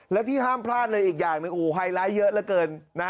และที่ห้ามพลาดเลยอีกอย่างไฮไลท์เยอะเกิน